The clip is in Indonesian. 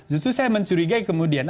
justru saya mencurigai kemudian